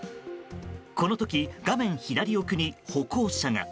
この時、画面左奥に歩行者が。